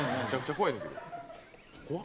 怖っ！